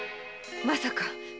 まさか！？